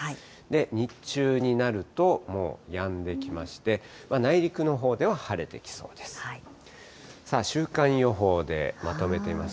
日中になるともう、やんできまして、内陸のほうでは晴れてきそうです。